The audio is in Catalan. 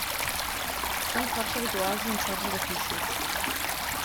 Són força habituals en certs edificis.